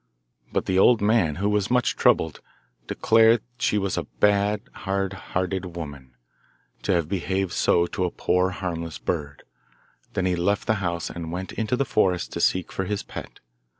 But the old man, who was much troubled, declared she was a bad, hard hearted woman, to have behaved so to a poor harmless bird; then he left the house, and went into the forest to seek for his pet.